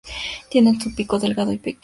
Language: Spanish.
Tiene un pico delgado y pequeño.